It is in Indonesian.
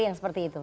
yang seperti itu